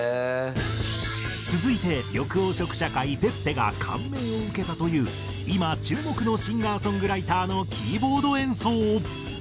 続いて緑黄色社会ｐｅｐｐｅが感銘を受けたという今注目のシンガーソングライターのキーボード演奏。